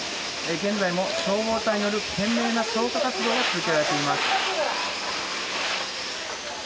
現在も消防隊による懸命な消火活動が続けられています。